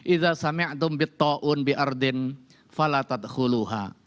iza sami'atum bitta'un bi'ardin falatat khuluha